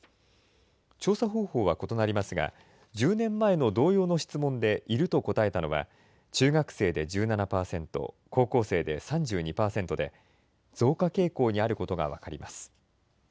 調査方法は異なりますが、１０年前の同様の質問でいると答えたのは、中学生で１７％、高校生で３２％で、増加傾向にあることが分かります。